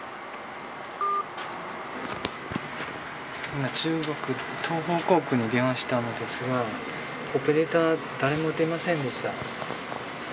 今、中国東方航空に電話したんですがオペレーター誰も出ませんでした。